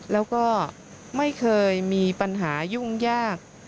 แล้วก็ไม่เคยมีปัญหายุ่งยาก